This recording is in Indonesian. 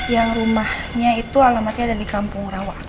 yang rumahnya itu alamatnya ada di kampung rawa